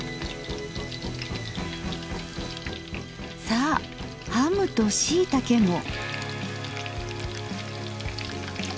さあハムとしいたけも。